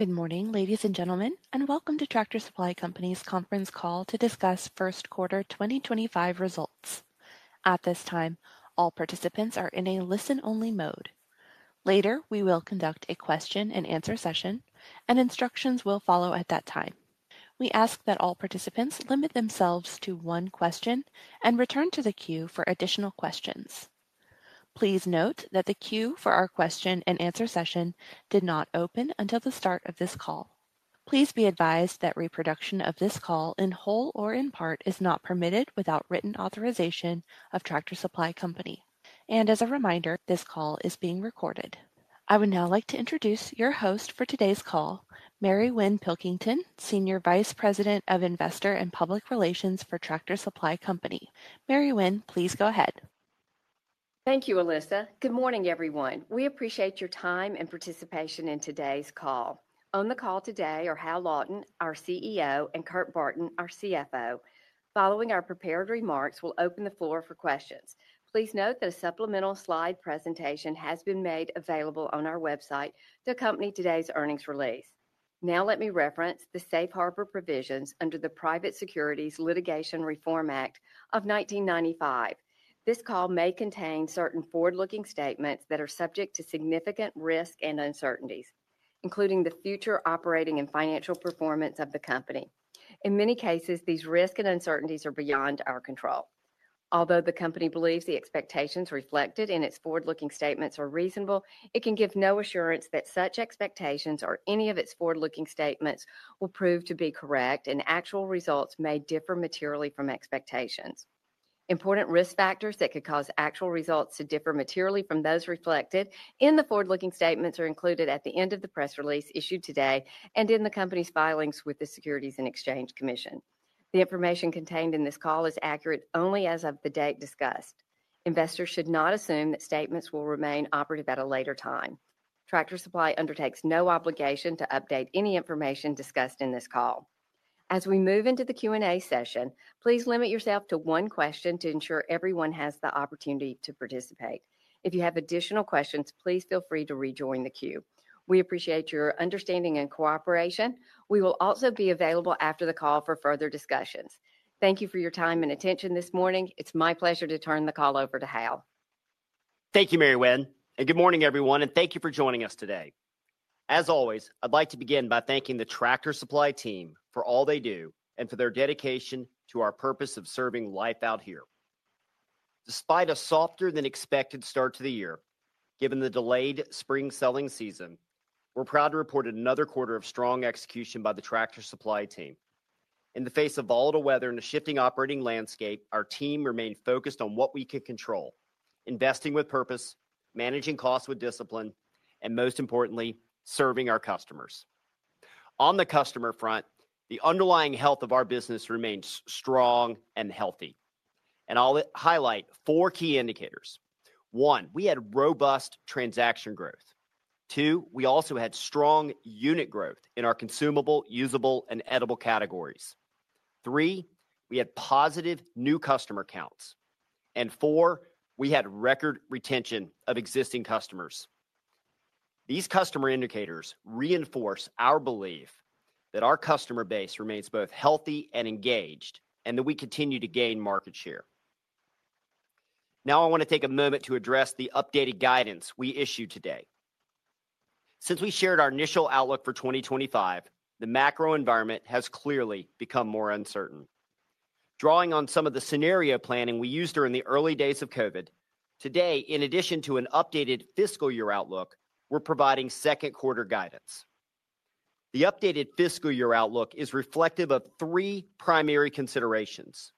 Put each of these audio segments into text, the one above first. Good morning, ladies and gentlemen, and welcome to Tractor Supply Company's conference call to discuss first quarter 2025 results. At this time, all participants are in a listen-only mode. Later, we will conduct a question-and-answer session, and instructions will follow at that time. We ask that all participants limit themselves to one question and return to the queue for additional questions. Please note that the queue for our question-and-answer session did not open until the start of this call. Please be advised that reproduction of this call in whole or in part is not permitted without written authorization of Tractor Supply Company. As a reminder, this call is being recorded. I would now like to introduce your host for today's call, Mary Winn Pilkington, Senior Vice President of Investor and Public Relations for Tractor Supply Company. Mary Winn, please go ahead. Thank you, Alyssa. Good morning, everyone. We appreciate your time and participation in today's call. On the call today are Hal Lawton, our CEO, and Kurt Barton, our CFO. Following our prepared remarks, we'll open the floor for questions. Please note that a supplemental slide presentation has been made available on our website to accompany today's earnings release. Now, let me reference the safe harbor provisions under the Private Securities Litigation Reform Act of 1995. This call may contain certain forward-looking statements that are subject to significant risk and uncertainties, including the future operating and financial performance of the company. In many cases, these risks and uncertainties are beyond our control. Although the company believes the expectations reflected in its forward-looking statements are reasonable, it can give no assurance that such expectations or any of its forward-looking statements will prove to be correct and actual results may differ materially from expectations. Important risk factors that could cause actual results to differ materially from those reflected in the forward-looking statements are included at the end of the press release issued today and in the company's filings with the Securities and Exchange Commission. The information contained in this call is accurate only as of the date discussed. Investors should not assume that statements will remain operative at a later time. Tractor Supply undertakes no obligation to update any information discussed in this call. As we move into the Q&A session, please limit yourself to one question to ensure everyone has the opportunity to participate. If you have additional questions, please feel free to rejoin the queue. We appreciate your understanding and cooperation. We will also be available after the call for further discussions. Thank you for your time and attention this morning. It's my pleasure to turn the call over to Hal. Thank you, Mary Winn, and good morning, everyone, and thank you for joining us today. As always, I'd like to begin by thanking the Tractor Supply team for all they do and for their dedication to our purpose of serving life out here. Despite a softer-than-expected start to the year, given the delayed spring selling season, we're proud to report another quarter of strong execution by the Tractor Supply team. In the face of volatile weather and a shifting operating landscape, our team remained focused on what we could control, investing with purpose, managing costs with discipline, and most importantly, serving our customers. On the customer front, the underlying health of our business remains strong and healthy. I'll highlight four key indicators. One, we had robust transaction growth. Two, we also had strong unit growth in our consumable, usable, and edible categories. Three, we had positive new customer counts. We had record retention of existing customers. These customer indicators reinforce our belief that our customer base remains both healthy and engaged and that we continue to gain market share. Now, I want to take a moment to address the updated guidance we issued today. Since we shared our initial outlook for 2025, the macro environment has clearly become more uncertain. Drawing on some of the scenario planning we used during the early days of COVID, today, in addition to an updated fiscal year outlook, we're providing second quarter guidance. The updated fiscal year outlook is reflective of three primary considerations.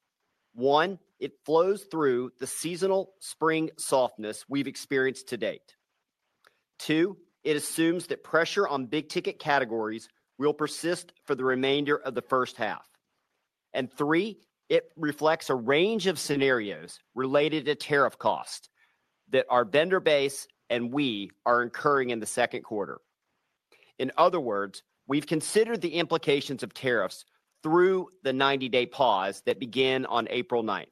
One, it flows through the seasonal spring softness we've experienced to date. Two, it assumes that pressure on big ticket categories will persist for the remainder of the first half. It reflects a range of scenarios related to tariff costs that our vendor base and we are incurring in the second quarter. In other words, we have considered the implications of tariffs through the 90-day pause that began on April 9.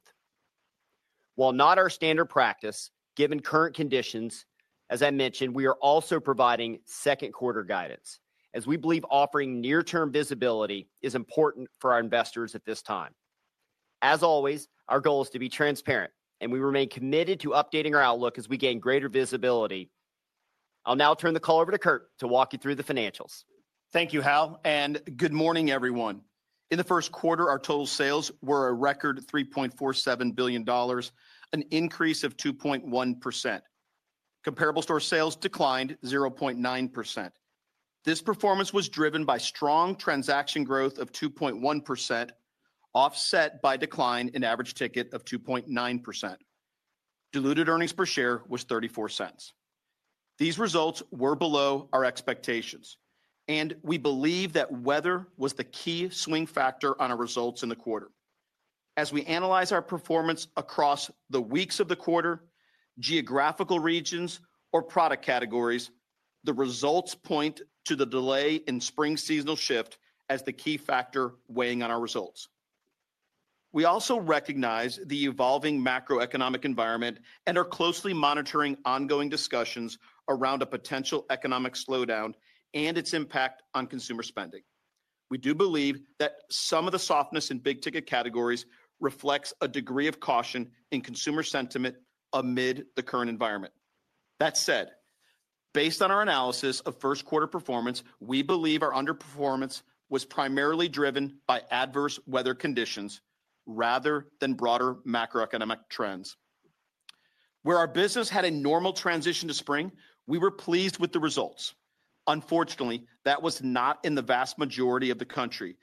While not our standard practice, given current conditions, as I mentioned, we are also providing second quarter guidance, as we believe offering near-term visibility is important for our investors at this time. As always, our goal is to be transparent, and we remain committed to updating our outlook as we gain greater visibility. I'll now turn the call over to Kurt to walk you through the financials. Thank you, Hal, and good morning, everyone. In the first quarter, our total sales were a record $3.47 billion, an increase of 2.1%. Comparable store sales declined 0.9%. This performance was driven by strong transaction growth of 2.1%, offset by a decline in average ticket of 2.9%. Diluted earnings per share was $0.34. These results were below our expectations, and we believe that weather was the key swing factor on our results in the quarter. As we analyze our performance across the weeks of the quarter, geographical regions, or product categories, the results point to the delay in spring seasonal shift as the key factor weighing on our results. We also recognize the evolving macroeconomic environment and are closely monitoring ongoing discussions around a potential economic slowdown and its impact on consumer spending. We do believe that some of the softness in big ticket categories reflects a degree of caution in consumer sentiment amid the current environment. That said, based on our analysis of first quarter performance, we believe our underperformance was primarily driven by adverse weather conditions rather than broader macroeconomic trends. Where our business had a normal transition to spring, we were pleased with the results. Unfortunately, that was not in the vast majority of the country,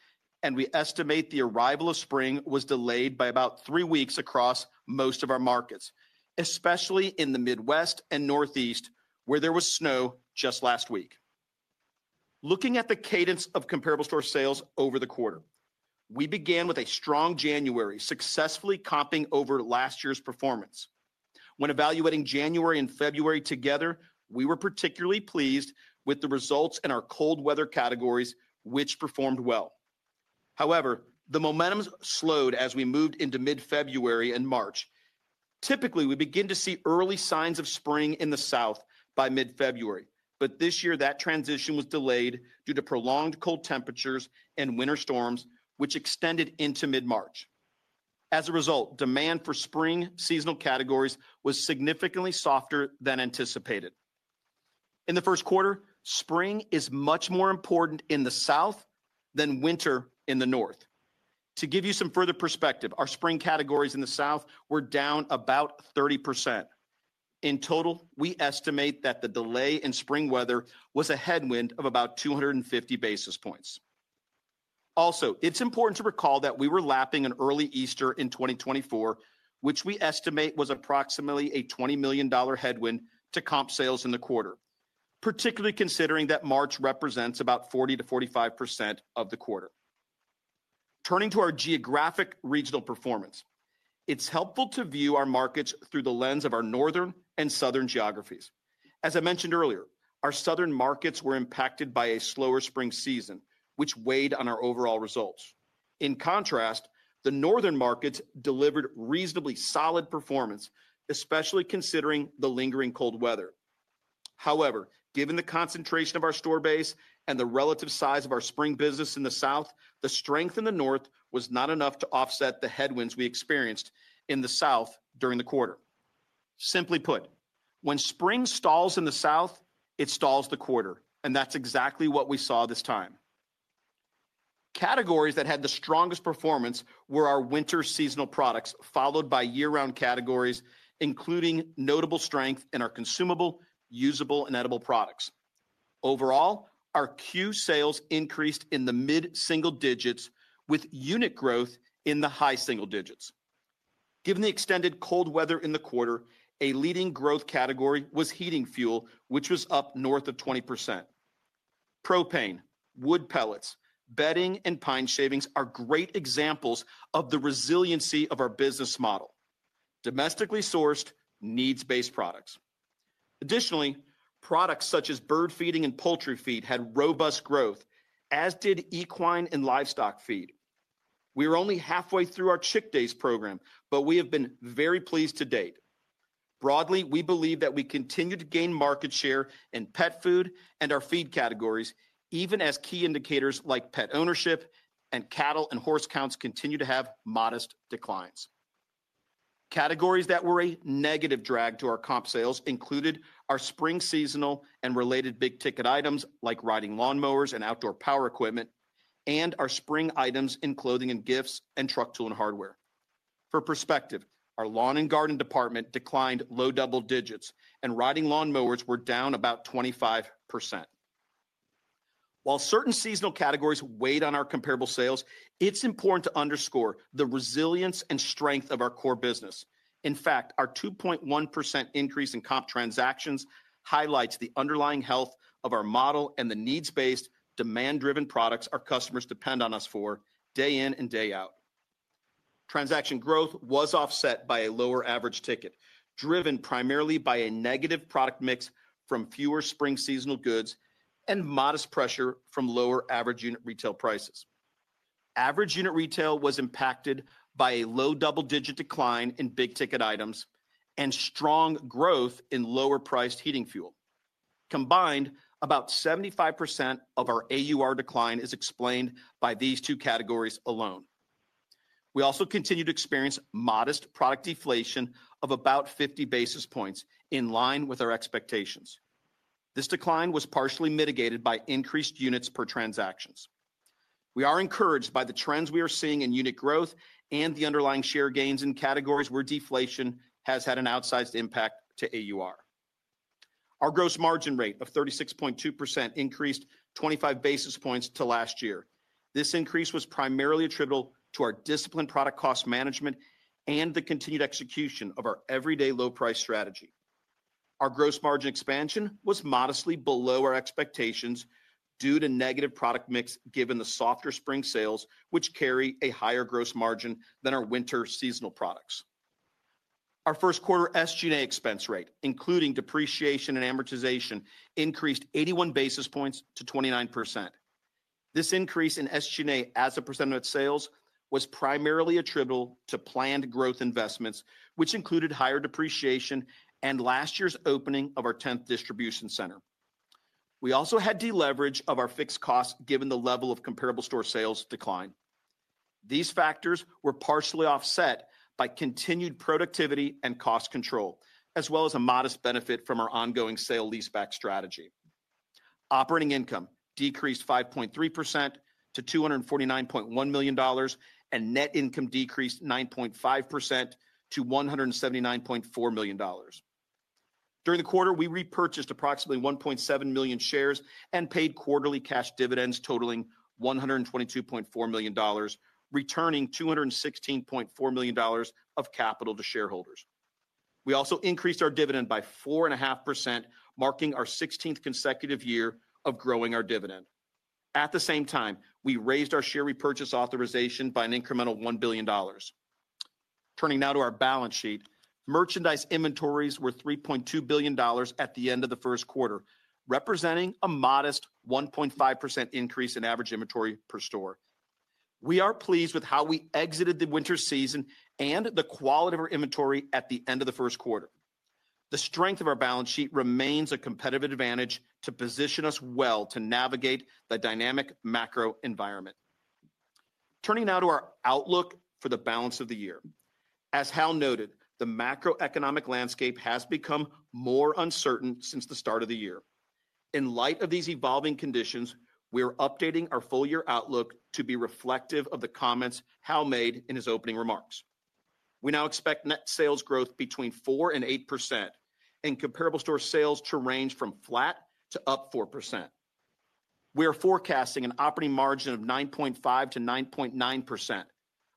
and we estimate the arrival of spring was delayed by about three weeks across most of our markets, especially in the Midwest and Northeast, where there was snow just last week. Looking at the cadence of comparable store sales over the quarter, we began with a strong January, successfully comping over last year's performance. When evaluating January and February together, we were particularly pleased with the results in our cold weather categories, which performed well. However, the momentum slowed as we moved into mid-February and March. Typically, we begin to see early signs of spring in the South by mid-February, but this year that transition was delayed due to prolonged cold temperatures and winter storms, which extended into mid-March. As a result, demand for spring seasonal categories was significantly softer than anticipated. In the first quarter, spring is much more important in the South than winter in the North. To give you some further perspective, our spring categories in the South were down about 30%. In total, we estimate that the delay in spring weather was a headwind of about 250 basis points. Also, it's important to recall that we were lapping an early Easter in 2024, which we estimate was approximately a $20 million headwind to comp sales in the quarter, particularly considering that March represents about 40%-45% of the quarter. Turning to our geographic regional performance, it's helpful to view our markets through the lens of our northern and southern geographies. As I mentioned earlier, our southern markets were impacted by a slower spring season, which weighed on our overall results. In contrast, the northern markets delivered reasonably solid performance, especially considering the lingering cold weather. However, given the concentration of our store base and the relative size of our spring business in the South, the strength in the North was not enough to offset the headwinds we experienced in the South during the quarter. Simply put, when spring stalls in the South, it stalls the quarter, and that's exactly what we saw this time. Categories that had the strongest performance were our winter seasonal products, followed by year-round categories, including notable strength in our consumable, usable, and edible products. Overall, our sales increased in the mid-single digits, with unit growth in the high single digits. Given the extended cold weather in the quarter, a leading growth category was heating fuel, which was up north of 20%. Propane, wood pellets, bedding, and pine shavings are great examples of the resiliency of our business model. Domestically sourced, needs-based products. Additionally, products such as bird feeding and poultry feed had robust growth, as did equine and livestock feed. We are only halfway through our Chick Days program, but we have been very pleased to date. Broadly, we believe that we continue to gain market share in pet food and our feed categories, even as key indicators like pet ownership and cattle and horse counts continue to have modest declines. Categories that were a negative drag to our comp sales included our spring seasonal and related big ticket items like riding lawnmowers and outdoor power equipment, and our spring items in clothing and gifts and truck tool and hardware. For perspective, our lawn and garden department declined low double digits, and riding lawnmowers were down about 25%. While certain seasonal categories weighed on our comparable sales, it's important to underscore the resilience and strength of our core business. In fact, our 2.1% increase in comp transactions highlights the underlying health of our model and the needs-based, demand-driven products our customers depend on us for day in and day out. Transaction growth was offset by a lower average ticket, driven primarily by a negative product mix from fewer spring seasonal goods and modest pressure from lower average unit retail prices. Average unit retail was impacted by a low double-digit decline in big ticket items and strong growth in lower-priced heating fuel. Combined, about 75% of our AUR decline is explained by these two categories alone. We also continue to experience modest product deflation of about 50 basis points in line with our expectations. This decline was partially mitigated by increased units per transactions. We are encouraged by the trends we are seeing in unit growth and the underlying share gains in categories where deflation has had an outsized impact to AUR. Our gross margin rate of 36.2% increased 25 basis points to last year. This increase was primarily attributable to our disciplined product cost management and the continued execution of our everyday low-price strategy. Our gross margin expansion was modestly below our expectations due to negative product mix given the softer spring sales, which carry a higher gross margin than our winter seasonal products. Our first quarter SG&A expense rate, including depreciation and amortization, increased 81 basis points to 29%. This increase in SG&A as a percent of its sales was primarily attributable to planned growth investments, which included higher depreciation and last year's opening of our10th distribution center. We also had deleverage of our fixed costs given the level of comparable store sales decline. These factors were partially offset by continued productivity and cost control, as well as a modest benefit from our ongoing sale-leaseback strategy. Operating income decreased 5.3% to $249.1 million, and net income decreased 9.5% to $179.4 million. During the quarter, we repurchased approximately 1.7 million shares and paid quarterly cash dividends totaling $122.4 million, returning $216.4 million of capital to shareholders. We also increased our dividend by 4.5%, marking our 16th consecutive year of growing our dividend. At the same time, we raised our share repurchase authorization by an incremental $1 billion. Turning now to our balance sheet, merchandise inventories were $3.2 billion at the end of the first quarter, representing a modest 1.5% increase in average inventory per store. We are pleased with how we exited the winter season and the uality of our inventory at the end of the first quarter. The strength of our balance sheet remains a competitive advantage to position us well to navigate the dynamic macro environment. Turning now to our outlook for the balance of the year. As Hal noted, the macroeconomic landscape has become more uncertain since the start of the year. In light of these evolving conditions, we are updating our full year outlook to be reflective of the comments Hal made in his opening remarks. We now expect net sales growth between 4% and 8%, and comparable store sales to range from flat to up 4%. We are forecasting an operating margin of 9.5%-9.9%,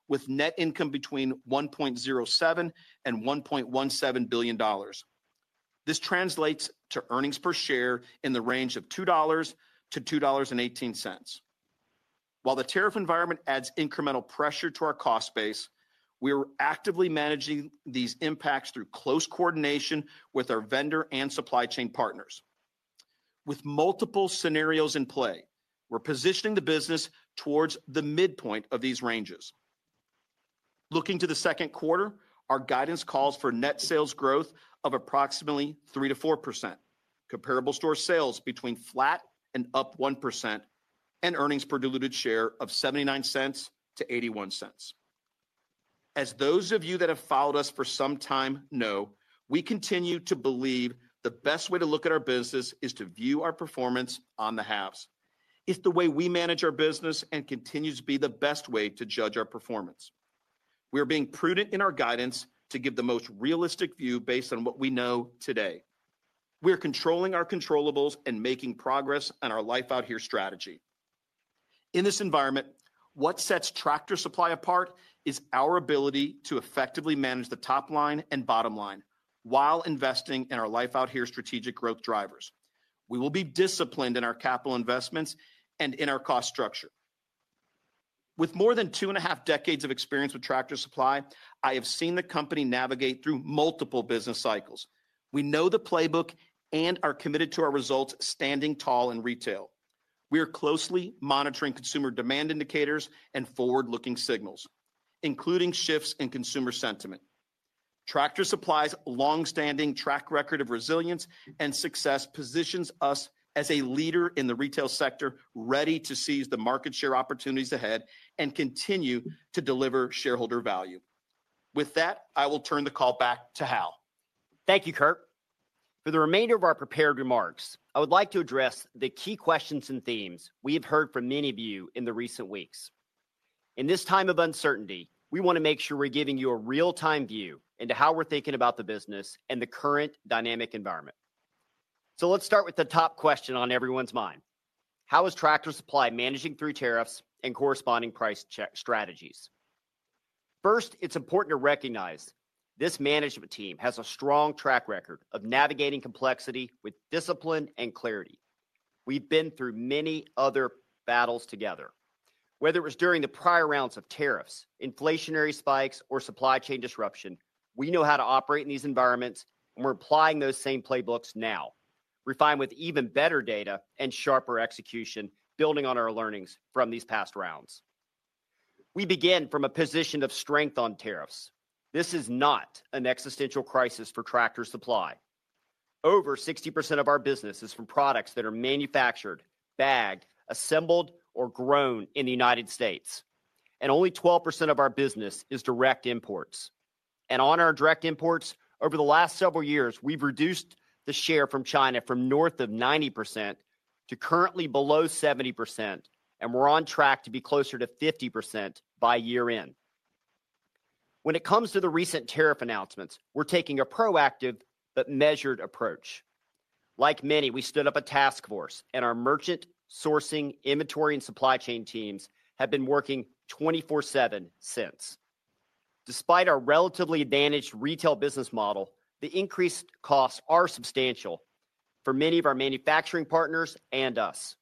with net income between $1.07 billion and $1.17 billion. This translates to earnings per share in the range of $2-$2.18. While the tariff environment adds incremental pressure to our cost base, we are actively managing these impacts through close coordination with our vendor and supply chain partners. With multiple scenarios in play, we're positioning the business towards the midpoint of these ranges. Looking to the second quarter, our guidance calls for net sales growth of approximately 3%-4%, comparable store sales between flat and up 1%, and earnings per diluted share of $0.79-$0.81. As those of you that have followed us for some time know, we continue to believe the best way to look at our business is to view our performance on the halves. It's the way we manage our business and continues to be the best way to judge our performance. We are being prudent in our guidance to give the most realistic view based on what we know today. We are controlling our controllables, and making progress on our Life Out Here strategy. In this environment, what sets Tractor Supply apart is our ability to effectively manage the top line and bottom line while investing in our Life Out Here strategic growth drivers. We will be disciplined in our capital investments and in our cost structure. With more than two and a half decades of experience with Tractor Supply, I have seen the company navigate through multiple business cycles. We know the playbook and are committed to our results standing tall in retail. We are closely monitoring consumer demand indicators and forward-looking signals, including shifts in consumer sentiment. Tractor Supply's long-standing track record of resilience and success positions us as a leader in the retail sector, ready to seize the market share opportunities ahead and continue to deliver shareholder value. With that, I will turn the call back to Hal. Thank you, Kurt. For the remainder of our prepared remarks, I would like to address the key questions and themes we have heard from many of you in the recent weeks. In this time of uncertainty, we want to make sure we're giving you a real-time view into how we're thinking about the business and the current dynamic environment. Let's start with the top question on everyone's mind. How is Tractor Supply managing through tariffs and corresponding price strategies? First, it's important to recognize this management team has a strong track record of navigating complexity with discipline and clarity. We've been through many other battles together. Whether it was during the prior rounds of tariffs, inflationary spikes, or supply chain disruption, we know how to operate in these environments, and we're applying those same playbooks now. We're fine with even better data and sharper execution, building on our learnings from these past rounds. We begin from a position of strength on tariffs. This is not an existential crisis for Tractor Supply. Over 60% of our business is from products that are manufactured, bagged, assembled, or grown in the United States, and only 12% of our business is direct imports. On our direct imports, over the last several years, we've reduced the share from China from north of 90% to currently below 70%, and we're on track to be closer to 50% by year-end. When it comes to the recent tariff announcements, we're taking a proactive but measured approach. Like many, we stood up a task force, and our merchant, sourcing, inventory, and supply chain teams have been working 24/7 since. Despite our relatively advantaged retail business model, the increased costs are substantial for many of our manufacturing partners and us.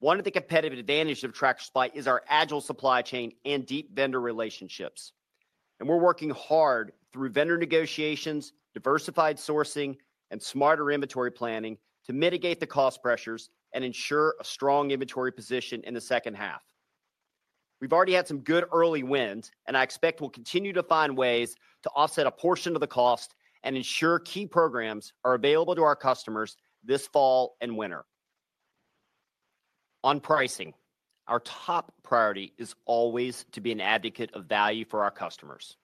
One of the competitive advantages of Tractor Supply is our agile supply chain and deep vendor relationships. We are working hard through vendor negotiations, diversified sourcing, and smarter inventory planning to mitigate the cost pressures and ensure a strong inventory position in the second half. We have already had some good early wins, and I expect we will continue to find ways to offset a portion of the cost and ensure key programs are available to our customers this fall and winter. On pricing, our top priority is always to be an advocate of value for our customers.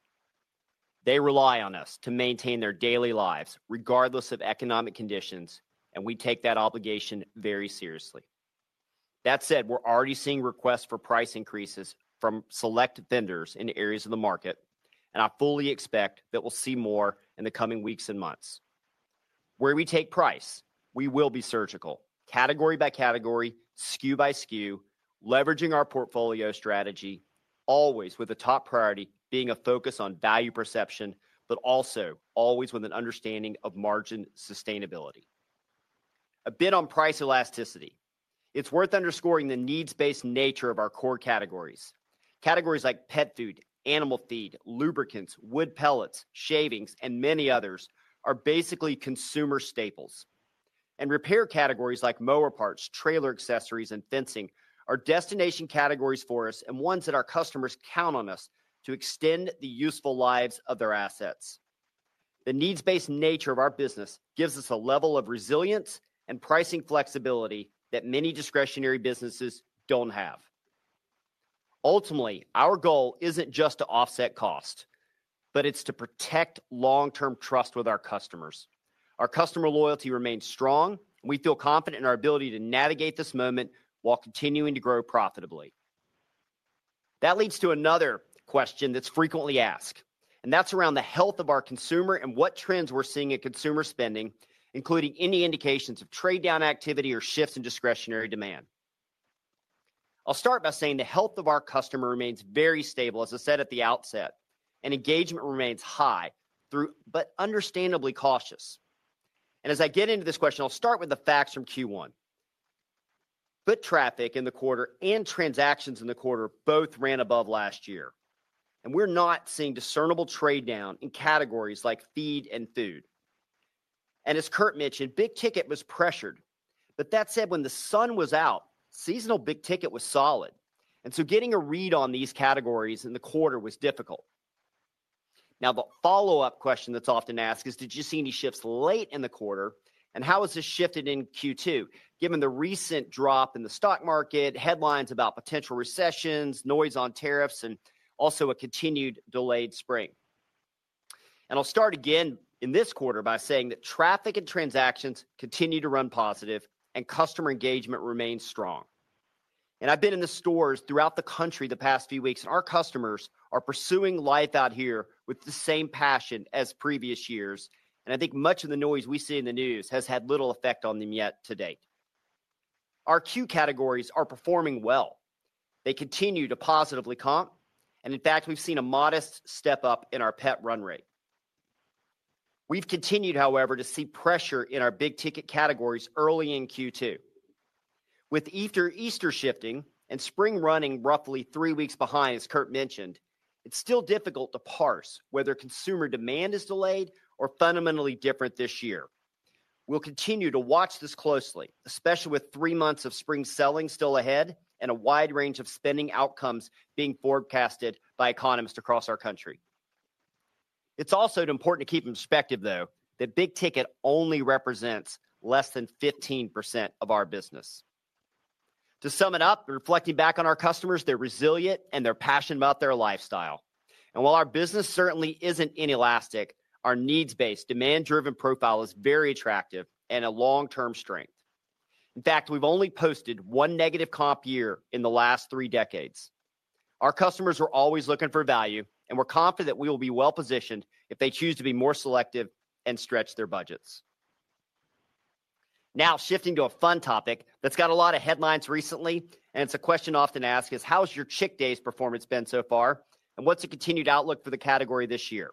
They rely on us to maintain their daily lives, regardless of economic conditions, and we take that obligation very seriously. That said, we are already seeing reuests for price increases from select vendors in areas of the market, and I fully expect that we will see more in the coming weeks and months. Where we take price, we will be surgical, category by category, SKU by SKU, leveraging our portfolio strategy, always with the top priority being a focus on value perception, but also always with an understanding of margin sustainability. A bit on price elasticity. It's worth underscoring the needs-based nature of our core categories. Categories like pet food, animal feed, lubricants, wood pellets, shavings, and many others are basically consumer staples. Repair categories like mower parts, trailer accessories, and fencing are destination categories for us and ones that our customers count on us to extend the useful lives of their assets. The needs-based nature of our business gives us a level of resilience and pricing flexibility that many discretionary businesses don't have. Ultimately, our goal isn't just to offset cost, but it's to protect long-term trust with our customers. Our customer loyalty remains strong, and we feel confident in our ability to navigate this moment while continuing to grow profitably. That leads to another question that's frequently asked, and that's around the health of our consumer and what trends we're seeing in consumer spending, including any indications of trade-down activity or shifts in discretionary demand. I will start by saying the health of our customer remains very stable, as I said at the outset, and engagement remains high through but understandably cautious. As I get into this question, I will start with the facts from Q1. Foot traffic in the quarter and transactions in the quarter both ran above last year, and we're not seeing discernible trade-down in categories like feed and food. As Kurt mentioned, big ticket was pressured. That said, when the sun was out, seasonal big ticket was solid, and getting a read on these categories in the quarter was difficult. The follow-up question that's often asked is, did you see any shifts late in the quarter, and how has this shifted in Q2, given the recent drop in the stock market, headlines about potential recessions, noise on tariffs, and also a continued delayed spring? I'll start again in this quarter by saying that traffic and transactions continue to run positive, and customer engagement remains strong. I've been in the stores throughout the country the past few weeks, and our customers are pursuing life out here with the same passion as previous years, and I think much of the noise we see in the news has had little effect on them yet to date. Our categories are performing well. They continue to positively comp, and in fact, we've seen a modest step up in our pet run rate. We've continued, however, to see pressure in our big ticket categories early in Q2. With Easter shifting and spring running roughly three weeks behind, as Kurt mentioned, it's still difficult to parse whether consumer demand is delayed or fundamentally different this year. We'll continue to watch this closely, especially with three months of spring selling still ahead and a wide range of spending outcomes being forecasted by economists across our country. It's also important to keep in perspective, though, that big ticket only represents less than 15% of our business. To sum it up, reflecting back on our customers, they're resilient and they're passionate about their lifestyle. While our business certainly isn't inelastic, our needs-based, demand-driven profile is very attractive and a long-term strength. In fact, we've only posted one negative comp year in the last three decades. Our customers are always looking for value, and we're confident that we will be well-positioned if they choose to be more selective and stretch their budgets. Now, shifting to a fun topic that's got a lot of headlines recently, and it's a question often asked is, how has your Chick Days performance been so far, and what's the continued outlook for the category this year?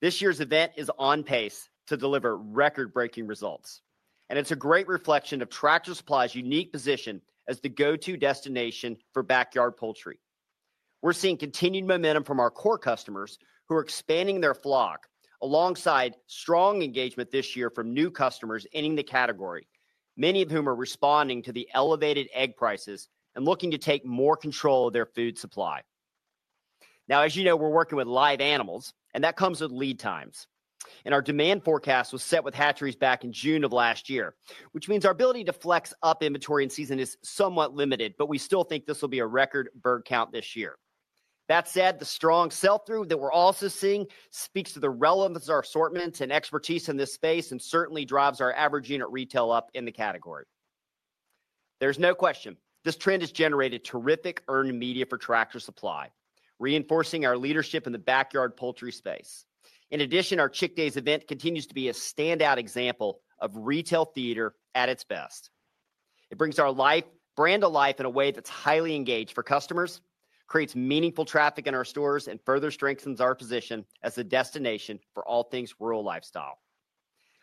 This year's event is on pace to deliver record-breaking results, and it's a great reflection of Tractor Supply's unique position as the go-to destination for backyard poultry. We're seeing continued momentum from our core customers who are expanding their flock alongside strong engagement this year from new customers in the category, many of whom are responding to the elevated egg prices and looking to take more control of their food supply. Now, as you know, we're working with live animals, and that comes with lead times. Our demand forecast was set with hatcheries back in June of last year, which means our ability to flex up inventory in season is somewhat limited, but we still think this will be a record bird count this year. That said, the strong sell-through that we're also seeing speaks to the relevance of our assortments and expertise in this space, and certainly drives our average unit retail up in the category. There's no question this trend has generated terrific earned media for Tractor Supply, reinforcing our leadership in the backyard poultry space. In addition, our Chick Days event continues to be a standout example of retail theater at its best. It brings our Life brand to life in a way that's highly engaged for customers, creates meaningful traffic in our stores, and further strengthens our position as a destination for all things rural lifestyle.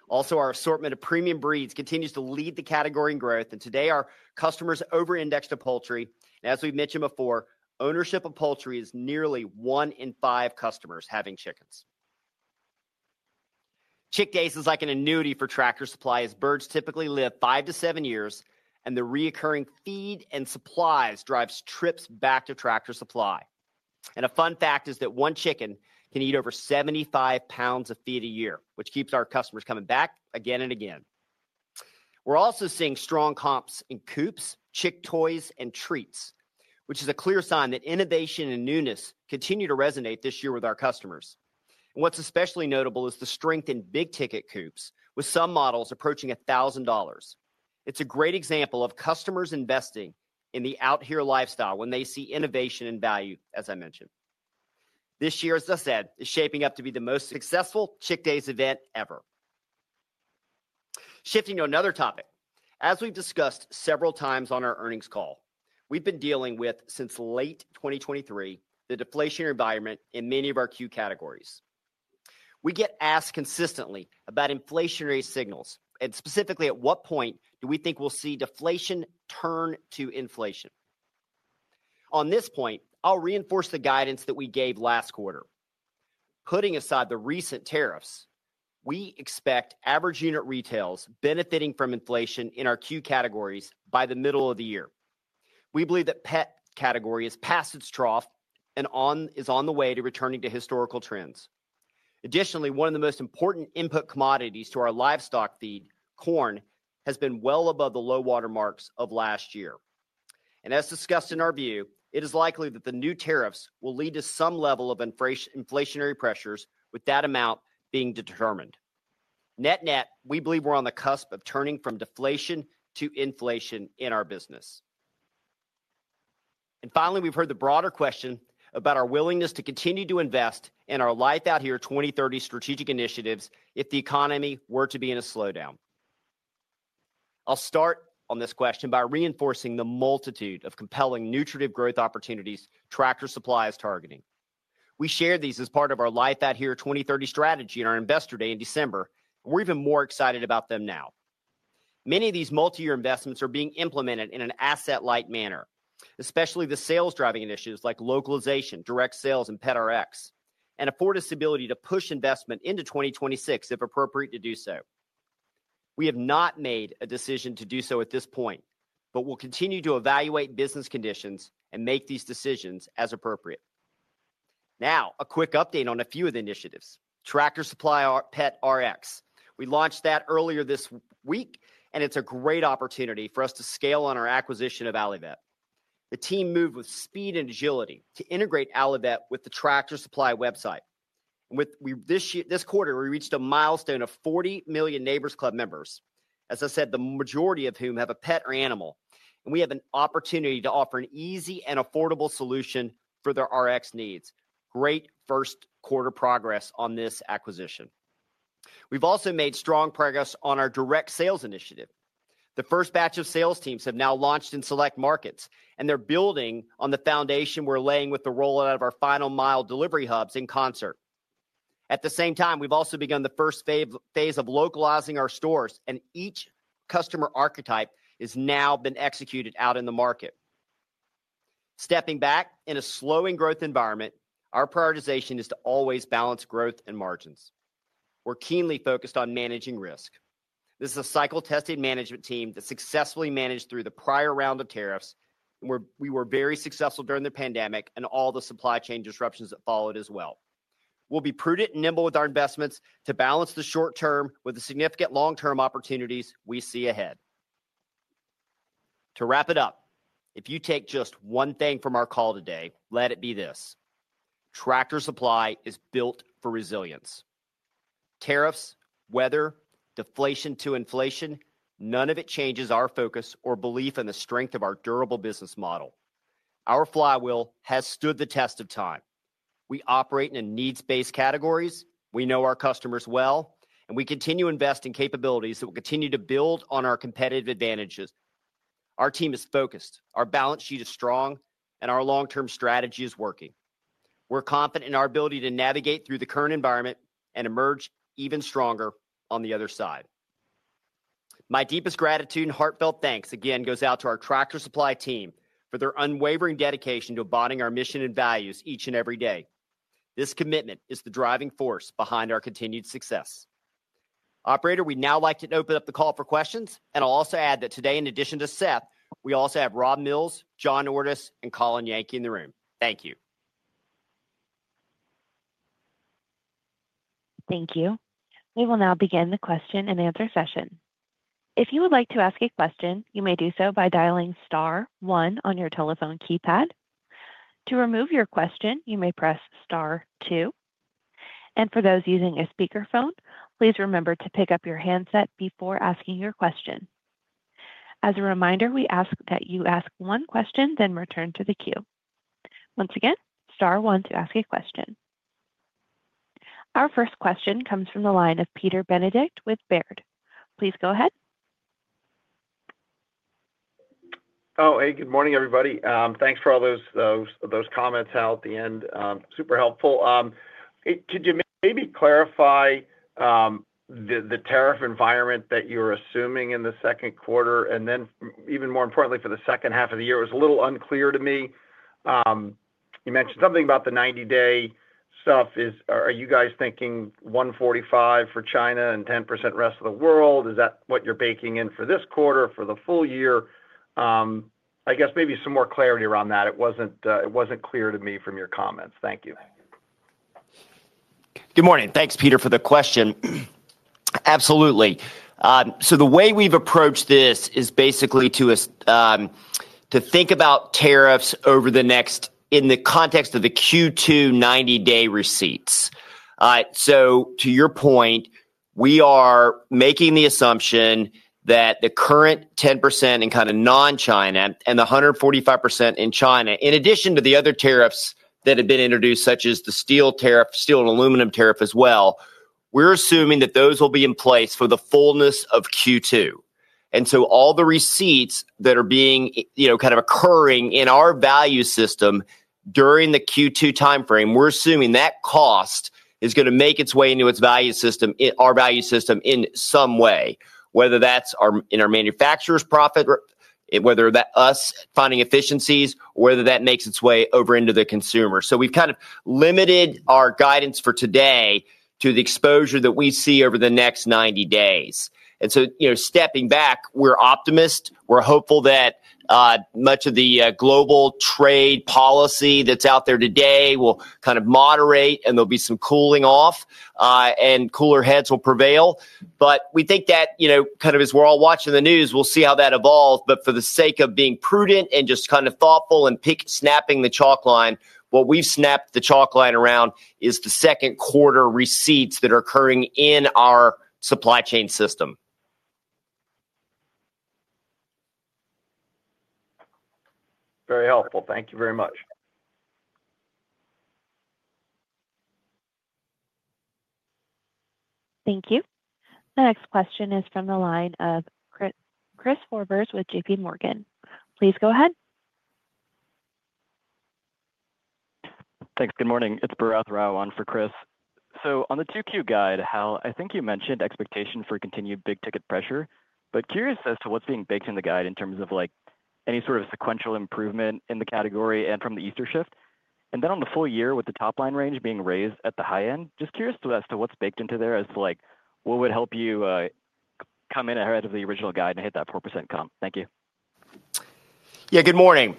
Also, our assortment of premium breeds continues to lead the category in growth, and today our customers over-index to poultry. As we've mentioned before, ownership of poultry is nearly one in five customers having chickens. Chick Days is like an annuity for Tractor Supply as birds typically live five to seven years, and the recurring feed and supplies drives trips back to Tractor Supply. A fun fact is that one chicken can eat over 75 pounds of feed a year, which keeps our customers coming back again and again. We're also seeing strong comps in coops, chick toys, and treats, which is a clear sign that innovation and newness continue to resonate this year with our customers. What's especially notable is the strength in big ticket coops, with some models approaching $1,000. It's a great example of customers investing in the out-here lifestyle when they see innovation and value, as I mentioned. This year, as I said, is shaping up to be the most successful Chick Days event ever. Shifting to another topic, as we've discussed several times on our earnings call, we've been dealing with, since late 2023, the deflationary environment in many of our categories. We get asked consistently about inflationary signals, and specifically at what point do we think we'll see deflation turn to inflation? On this point, I'll reinforce the guidance that we gave last quarter. Putting aside the recent tariffs, we expect average unit retails benefiting from inflation in our categories by the middle of the year. We believe that pet category has passed its trough and is on the way to returning to historical trends. Additionally, one of the most important input commodities to our livestock feed, corn, has been well above the low watermarks of last year. As discussed in our view, it is likely that the new tariffs will lead to some level of inflationary pressures, with that amount being determined. Net net, we believe we're on the cusp of turning from deflation to inflation in our business. Finally, we've heard the broader question about our willingness to continue to invest in our Life Out Here 2030 strategic initiatives if the economy were to be in a slowdown. I'll start on this question by reinforcing the multitude of compelling nutritive growth opportunities Tractor Supply is targeting. We shared these as part of our Life Out Here 2030 strategy on our investor day in December, and we're even more excited about them now. Many of these multi-year investments are being implemented in an asset-light manner, especially the sales-driving initiatives like localization, direct sales, and PetRx, and afford us the ability to push investment into 2026 if appropriate to do so. We have not made a decision to do so at this point, but we'll continue to evaluate business conditions and make these decisions as appropriate. Now, a uick update on a few of the initiatives. Tractor Supply PetRx, we launched that earlier this week, and it's a great opportunity for us to scale on our acquisition of Allivet. The team moved with speed and agility to integrate Allivet with the Tractor Supply website. This quarter, we reached a milestone of 40 million Neighbor's Club members, as I said, the majority of whom have a pet or animal, and we have an opportunity to offer an easy and affordable solution for their Rx needs. Great first quarter progress on this acquisition. We've also made strong progress on our direct sales initiative. The first batch of sales teams have now launched in select markets, and they're building on the foundation we're laying with the rollout of our final mile delivery hubs in concert. At the same time, we've also begun the first phase of localizing our stores, and each customer archetype has now been executed out in the market. Stepping back in a slowing growth environment, our prioritization is to always balance growth and margins. We're keenly focused on managing risk. This is a cycle-tested management team that successfully managed through the prior round of tariffs, and we were very successful during the pandemic and all the supply chain disruptions that followed as well. We'll be prudent and nimble with our investments to balance the short term with the significant long-term opportunities we see ahead. To wrap it up, if you take just one thing from our call today, let it be this: Tractor Supply is built for resilience. Tariffs, weather, deflation to inflation, none of it changes our focus or belief in the strength of our durable business model. Our flywheel has stood the test of time. We operate in needs-based categories. We know our customers well, and we continue to invest in capabilities that will continue to build on our competitive advantages. Our team is focused. Our balance sheet is strong, and our long-term strategy is working. We're confident in our ability to navigate through the current environment and emerge even stronger on the other side. My deepest gratitude and heartfelt thanks again goes out to our Tractor Supply team for their unwavering dedication to embodying our mission and values each and every day. This commitment is the driving force behind our continued success. Operator, we'd now like to open up the call for questions, and I'll also add that today, in addition to Seth, we also have Rob Mills, John Ordus, and Colin Yankee in the room. Thank you. Thank you. We will now begin the question and answer session. If you would like to ask a question, you may do so by dialing star one on your telephone keypad. To remove your question, you may press star two. For those using a speakerphone, please remember to pick up your handset before asking your question. As a reminder, we ask that you ask one question, then return to the queue. Once again, star one to ask a question. Our first question comes from the line of Peter Benedict with Baird. Please go ahead. Oh, hey, good morning, everybody. Thanks for all those comments out at the end. Super helpful. Could you maybe clarify the tariff environment that you're assuming in the second quarter? Even more importantly, for the second half of the year, it was a little unclear to me. You mentioned something about the 90-day stuff. Are you guys thinking 145 for China and 10% rest of the world? Is that what you're baking in for this quarter, for the full year? I guess maybe some more clarity around that. It wasn't clear to me from your comments. Thank you. Good morning. Thanks, Peter, for the question. Absolutely. The way we've approached this is basically to think about tariffs over the next in the context of the Q2 90-day receipts. To your point, we are making the assumption that the current 10% in kind of non-China and the 145% in China, in addition to the other tariffs that have been introduced, such as the steel tariff, steel and aluminum tariff as well, we're assuming that those will be in place for the fullness of Q2. All the receipts that are being kind of occurring in our value system during the Q2 timeframe, we're assuming that cost is going to make its way into our value system in some way, whether that's in our manufacturers' profit, whether that's us finding efficiencies, or whether that makes its way over into the consumer. We've kind of limited our guidance for today to the exposure that we see over the next 90 days. Stepping back, we're optimists. We're hopeful that much of the global trade policy that's out there today will kind of moderate, and there'll be some cooling off, and cooler heads will prevail. We think that kind of as we're all watching the news, we'll see how that evolves. For the sake of being prudent and just kind of thoughtful and snapping the chalk line, what we've snapped the chalk line around is the second quarter receipts that are occurring in our supply chain system. Very helpful. Thank you very much. Thank you. The next question is from the line of Chris Horvers with JPMorgan. Please go ahead. Thanks. Good morning. It's Bharath Rowan for Chris. On the Q2 guide, Hal, I think you mentioned expectation for continued big ticket pressure, but curious as to what's being baked in the guide in terms of any sort of sequential improvement in the category and from the Easter shift. On the full year, with the top line range being raised at the high end, just curious as to what's baked into there as to what would help you come in ahead of the original guide and hit that 4% comp. Thank you. Good morning.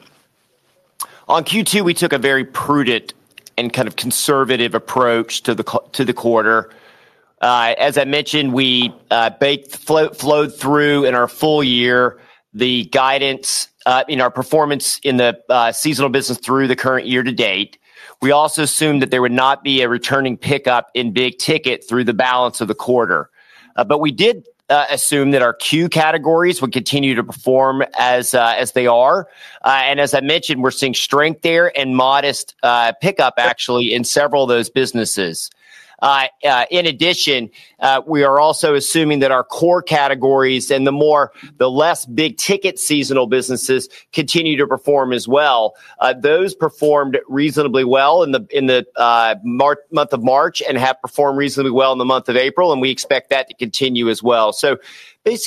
On second quarter, we took a very prudent and kind of conservative approach to the quarter. As I mentioned, we flowed through in our full year the guidance in our performance in the seasonal business through the current year to date. We also assumed that there would not be a returning pickup in big ticket through the balance of the quarter. We did assume that our categories would continue to perform as they are. As I mentioned, we're seeing strength there and modest pickup, actually, in several of those businesses. In addition, we are also assuming that our core categories and the less big ticket seasonal businesses continue to perform as well. Those performed reasonably well in the month of March and have performed reasonably well in the month of April, and we expect that to continue as well.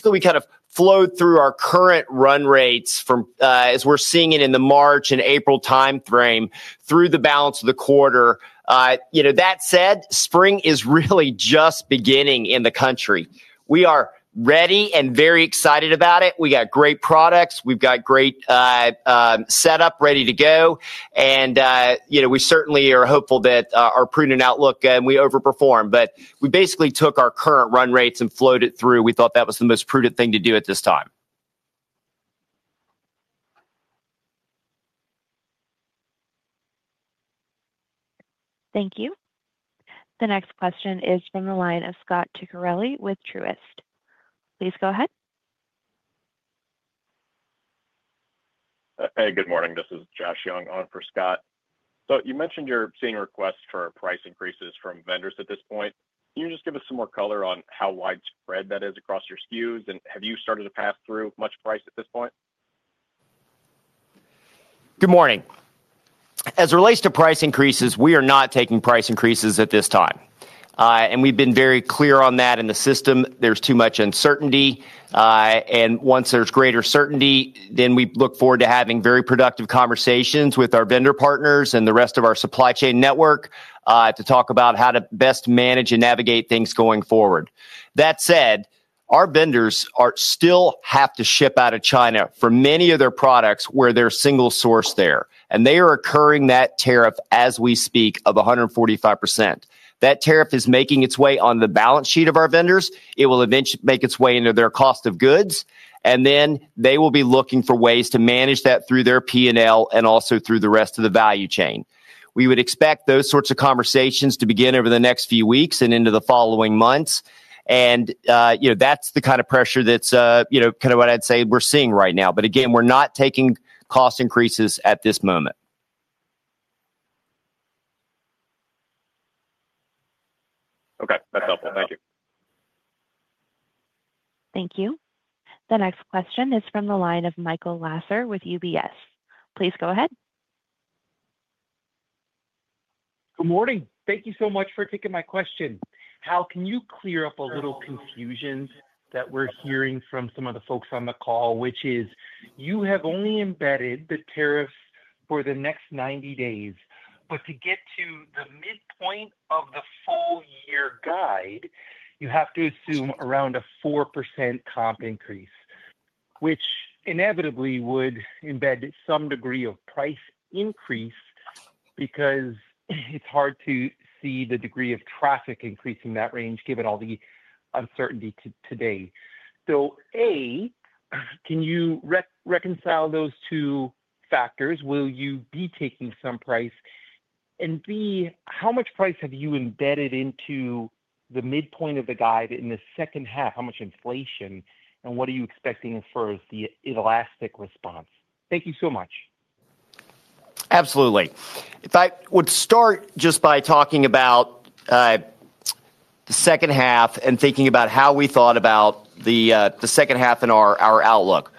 We kind of flowed through our current run rates as we're seeing it in the March and April timeframe through the balance of the quarter. That said, spring is really just beginning in the country. We are ready and very excited about it. We got great products. We've got great setup ready to go. We certainly are hopeful that our prudent outlook and we overperform. We basically took our current run rates and flowed it through. We thought that was the most prudent thing to do at this time. Thank you. The next question is from the line of Scott Ciccarelli with Truist. Please go ahead. Hey, good morning. This is Josh Young on for Scott. You mentioned you're seeing requests for price increases from vendors at this point. Can you just give us some more color on how widespread that is across your SKUs? Have you started to pass through much price at this point? Good morning. As it relates to price increases, we are not taking price increases at this time. We've been very clear on that in the system. There's too much uncertainty. Once there's greater certainty, we look forward to having very productive conversations with our vendor partners and the rest of our supply chain network to talk about how to best manage and navigate things going forward. That said, our vendors still have to ship out of China for many of their products where they're single source there. They are incurring that tariff as we speak of 145%. That tariff is making its way on the balance sheet of our vendors. It will eventually make its way into their cost of goods. They will be looking for ways to manage that through their P&L and also through the rest of the value chain. We would expect those sorts of conversations to begin over the next few weeks and into the following months. That is the kind of pressure, that is kind of what I'd say we're seeing right now. Again, we're not taking cost increases at this moment. Okay. That's helpful. Thank you. Thank you. The next question is from the line of Michael Lasser with UBS. Please go ahead. Good morning. Thank you so much for taking my question. Hal, can you clear up a little confusion that we're hearing from some of the folks on the call, which is you have only embedded the tariffs for the next 90 days. To get to the midpoint of the full year guide, you have to assume around a 4% comp increase, which inevitably would embed some degree of price increase because it's hard to see the degree of traffic increasing that range given all the uncertainty today. A, can you reconcile those two factors? Will you be taking some price? B, how much price have you embedded into the midpoint of the guide in the second half? How much inflation? What are you expecting as far as the elastic response? Thank you so much. Absolutely. If I would start just by talking about the second half and thinking about how we thought about the second half in our outlook.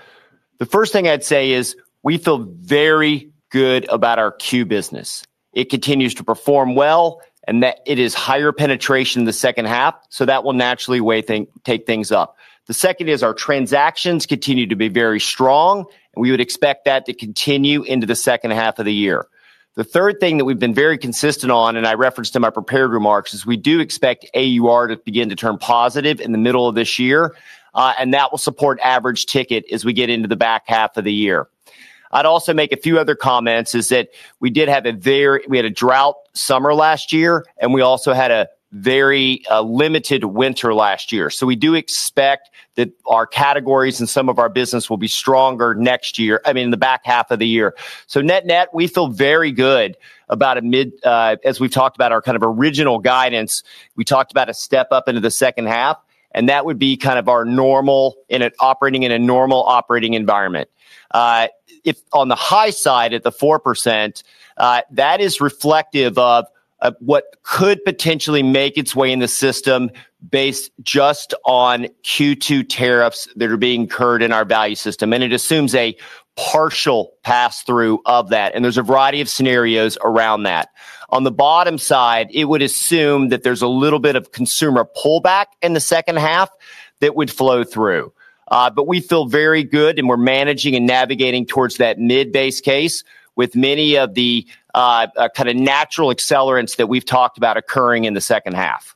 The first thing I'd say is we feel very good about our business. It continues to perform well, and it is higher penetration in the second half, so that will naturally take things up. The second is our transactions continue to be very strong, and we would expect that to continue into the second half of the year. The third thing that we've been very consistent on, and I referenced in my prepared remarks, is we do expect AUR to begin to turn positive in the middle of this year, and that will support average ticket as we get into the back half of the year. I'd also make a few other comments is that we did have a very—we had a drought summer last year, and we also had a very limited winter last year. We do expect that our categories and some of our business will be stronger next year, I mean, in the back half of the year. Net net, we feel very good about a mid—as we've talked about our kind of original guidance, we talked about a step up into the second half, and that would be kind of our normal in a normal operating environment. On the high side at the 4%, that is reflective of what could potentially make its way in the system based just on Q2 tariffs that are being incurred in our value system. It assumes a partial pass-through of that. There's a variety of scenarios around that. On the bottom side, it would assume that there's a little bit of consumer pullback in the second half that would flow through. We feel very good, and we're managing and navigating towards that mid-based case with many of the kind of natural accelerants that we've talked about occurring in the second half.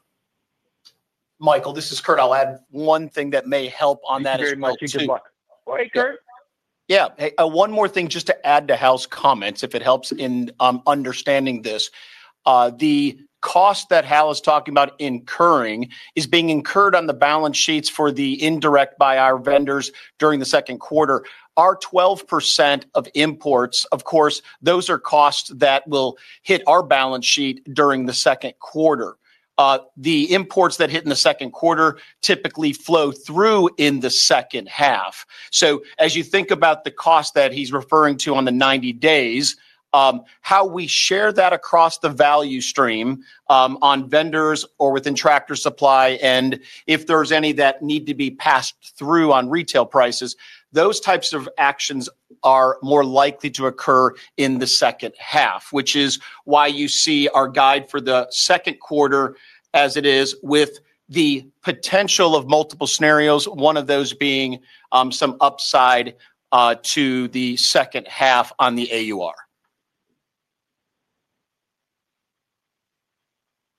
Michael, this is Kurt. I'll add one thing that may help on that. Thank you very much. Good luck. All right, Kurt. Yeah. One more thing just to add to Hal's comments, if it helps in understanding this. The cost that Hal is talking about incurring is being incurred on the balance sheets for the indirect by our vendors during the second quarter. Our 12% of imports, of course, those are costs that will hit our balance sheet during the second quarter. The imports that hit in the second quarter typically flow through in the second half. As you think about the cost that he's referring to on the 90 days, how we share that across the value stream on vendors or within Tractor Supply, and if there's any that need to be passed through on retail prices, those types of actions are more likely to occur in the second half, which is why you see our guide for the second quarter as it is with the potential of multiple scenarios, one of those being some upside to the second half on the AUR.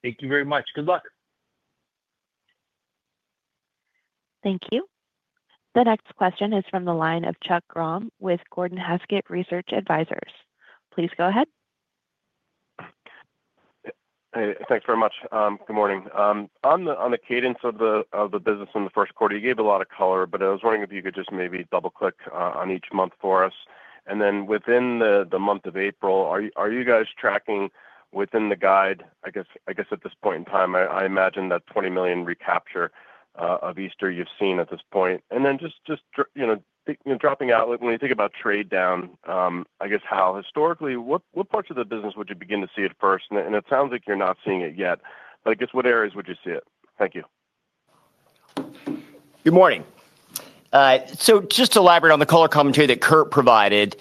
Thank you very much. Good luck. Thank you. The next question is from the line of Chuck Grom with Gordon Haskett Research Advisors. Please go ahead. Hey, thanks very much. Good morning. On the cadence of the business in the first quarter, you gave a lot of color, but I was wondering if you could just maybe double-click on each month for us. Within the month of April, are you guys tracking within the guide, I guess at this point in time, I imagine that $20 million recapture of Easter you have seen at this point? Just dropping out, when you think about trade down, I guess, Hal, historically, what parts of the business would you begin to see at first? It sounds like you are not seeing it yet. What areas would you see it? Thank you. Good morning. Just to elaborate on the color commentary that Kurt provided,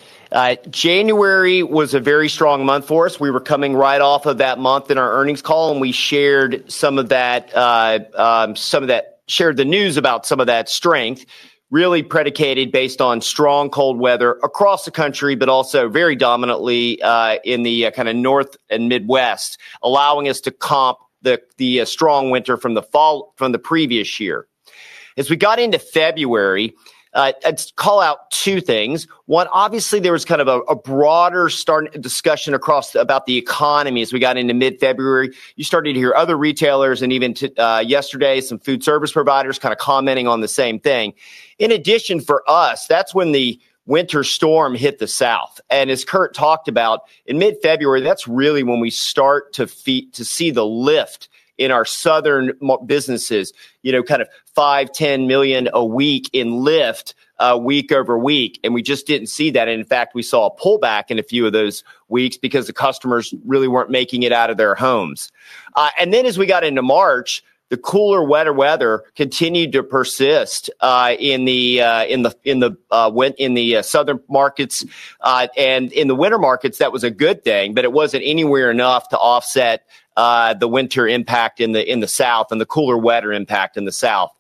January was a very strong month for us. We were coming right off of that month in our earnings call, and we shared some of that, some of that shared the news about some of that strength, really predicated based on strong cold weather across the country, but also very dominantly in the kind of North and Midwest, allowing us to comp the strong winter from the previous year. As we got into February, I'd call out two things. One, obviously, there was kind of a broader discussion about the economy as we got into mid-February. You started to hear other retailers, and even yesterday, some food service providers kind of commenting on the same thing. In addition, for us, that's when the winter storm hit the South. As Kurt talked about, in mid-February, that's really when we start to see the lift in our southern businesses, kind of $5 million-$10 million a week in lift week over week. We just did not see that. In fact, we saw a pullback in a few of those weeks because the customers really were not making it out of their homes. As we got into March, the cooler, wetter weather continued to persist in the southern markets. In the winter markets, that was a good thing, but it was not anywhere enough to offset the winter impact in the south and the cooler, wetter impact in the south.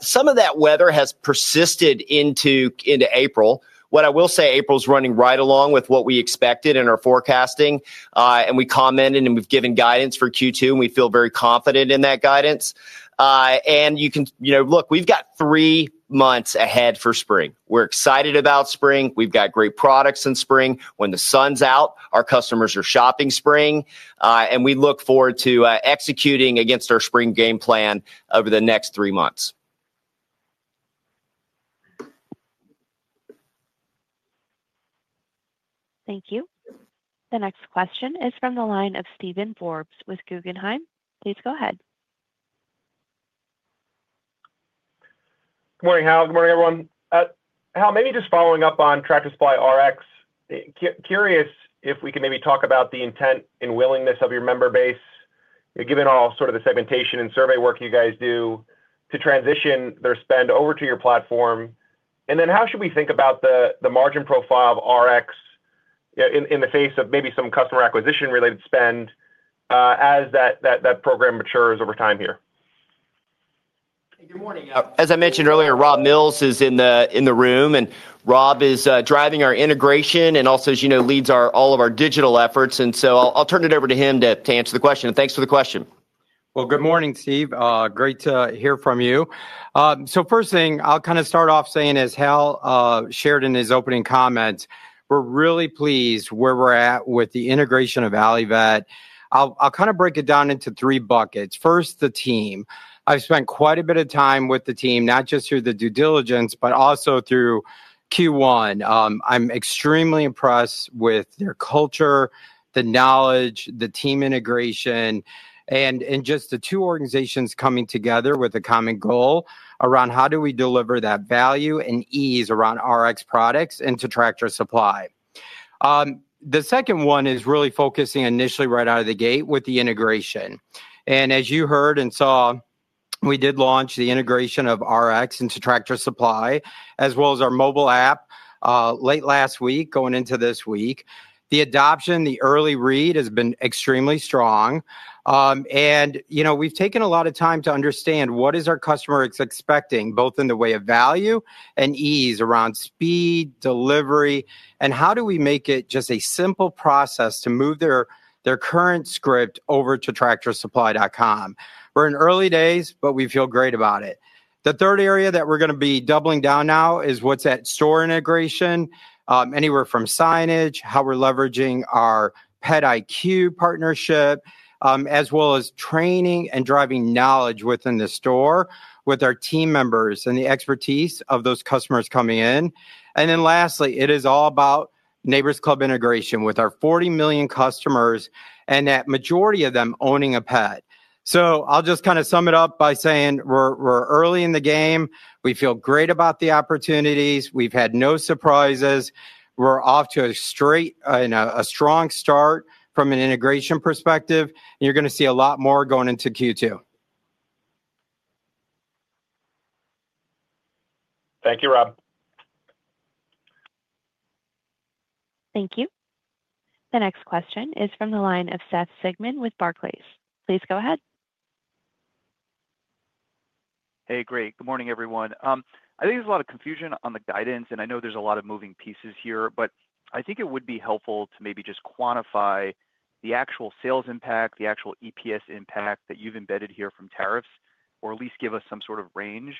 Some of that weather has persisted into April. What I will say, April is running right along with what we expected in our forecasting. We commented, and we have given guidance for Q2, and we feel very confident in that guidance. You can look, we have three months ahead for spring. We are excited about spring. We have great products in spring. When the sun is out, our customers are shopping spring. We look forward to executing against our spring game plan over the next three months. Thank you. The next question is from the line of Steven Forbes with Guggenheim. Please go ahead. Good morning, Hal. Good morning, everyone. Hal, maybe just following up on Tractor Supply Rx, curious if we can maybe talk about the intent and willingness of your member base, given all the segmentation and survey work you guys do, to transition their spend over to your platform. Then how should we think about the margin profile of Rx in the face of maybe some customer acquisition-related spend as that program matures over time here? Hey, good morning. As I mentioned earlier, Rob Mills is in the room, and Rob is driving our integration and also, as you know, leads all of our digital efforts. I will turn it over to him to answer the question. Thanks for the question. Good morning, Steve. Great to hear from you. First thing, I will kind of start off saying, as Hal shared in his opening comments, we are really pleased where we are at with the integration of Allivet. I will kind of break it down into three buckets. First, the team. I have spent uite a bit of time with the team, not just through the due diligence, but also through Q1. I'm extremely impressed with their culture, the knowledge, the team integration, and just the two organizations coming together with a common goal around how do we deliver that value and ease around Rx products into Tractor Supply. The second one is really focusing initially right out of the gate with the integration. As you heard and saw, we did launch the integration of Rx into Tractor Supply, as well as our mobile app late last week going into this week. The adoption, the early read has been extremely strong. We've taken a lot of time to understand what is our customer expecting, both in the way of value and ease around speed, delivery, and how do we make it just a simple process to move their current script over to tractorsupply.com. We're in early days, but we feel great about it. The third area that we're going to be doubling down now is what's at store integration, anywhere from signage, how we're leveraging our PetIQ partnership, as well as training and driving knowledge within the store with our team members and the expertise of those customers coming in. Lastly, it is all about Neighbor's Club integration with our 40 million customers and that majority of them owning a pet. I'll just kind of sum it up by saying we're early in the game. We feel great about the opportunities. We've had no surprises. We're off to a straight and a strong start from an integration perspective. You're going to see a lot more going into Q2. Thank you, Rob. Thank you. The next question is from the line of Seth Sigman with Barclays. Please go ahead. Hey, great. Good morning, everyone.I think there's a lot of confusion on the guidance, and I know there's a lot of moving pieces here, but I think it would be helpful to maybe just the actual sales impact, the actual EPS impact that you've embedded here from tariffs, or at least give us some sort of range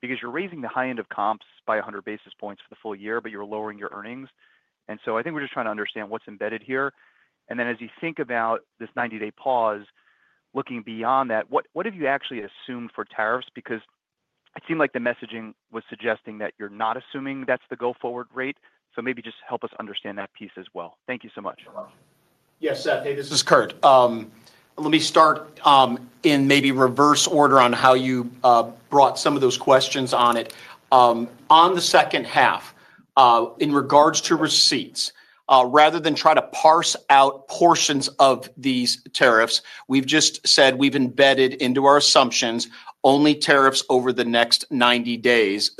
because you're raising the high end of comps by 100 basis points for the full year, but you're lowering your earnings. I think we're just trying to understand what's embedded here. As you think about this 90-day pause, looking beyond that, what have you actually assumed for tariffs? Because it seemed like the messaging was suggesting that you're not assuming that's the go-forward rate. Maybe just help us understand that piece as well. Thank you so much. Yes, Seth, hey, this is Kurt. Let me start in maybe reverse order on how you brought some of those questions on it. On the second half, in regards to receipts, rather than try to parse out portions of these tariffs, we've just said we've embedded into our assumptions only tariffs over the next 90 days.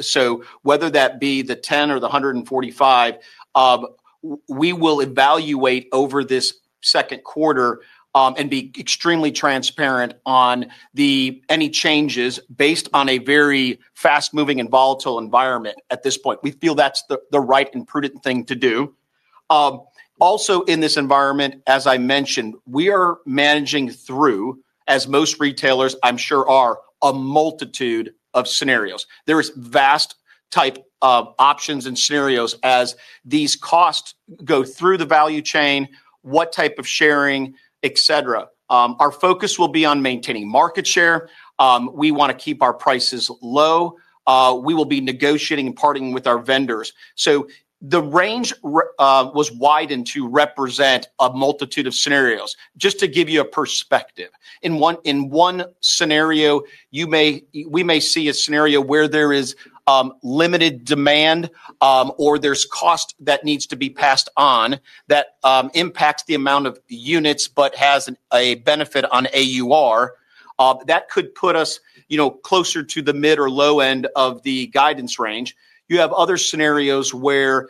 Whether that be the 10 or the 145, we will evaluate over this second quarter and be extremely transparent on any changes based on a very fast-moving and volatile environment at this point. We feel that's the right and prudent thing to do. Also, in this environment, as I mentioned, we are managing through, as most retailers, I'm sure are, a multitude of scenarios. There is vast type of options and scenarios as these costs go through the value chain, what type of sharing, etc. Our focus will be on maintaining market share. We want to keep our prices low. We will be negotiating and partnering with our vendors. The range was widened to represent a multitude of scenarios. Just to give you a perspective, in one scenario, we may see a scenario where there is limited demand or there is cost that needs to be passed on that impacts the amount of units but has a benefit on AUR. That could put us closer to the mid or low end of the guidance range. You have other scenarios where